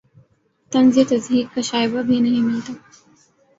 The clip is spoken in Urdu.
طنز یا تضحیک کا شائبہ بھی نہیں ملتا